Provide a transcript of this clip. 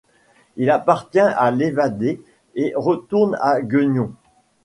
Il parvient à s'évader et retourne à Gueugnon.